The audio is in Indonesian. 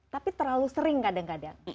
tapi terlalu sering kadang kadang